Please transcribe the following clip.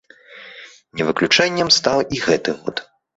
Не выключэннем стаў і гэты год.